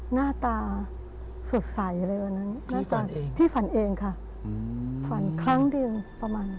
หน้าตาสดใสเลยวันนั้นพี่ฝันเองค่ะฝันครั้งเดียวประมาณ